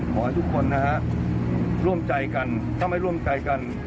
ขอให้ทุกคนนะฮะร่วมใจกันถ้าไม่ร่วมใจกัน